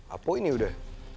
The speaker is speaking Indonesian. apa ini udah